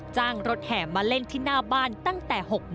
จ้างรถแห่มาเล่นที่หน้าบ้านตั้งแต่๖๑